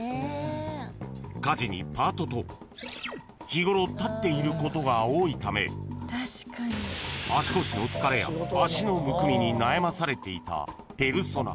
［家事にパートと日ごろ立っていることが多いため足腰の疲れや足のむくみに悩まされていたペルソナ］